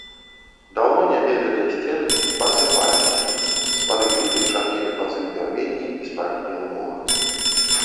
Даўно не беленыя сцены паасыпаліся, з-пад гліны чарнелі пазы ў бярвенні і спарахнелы мох.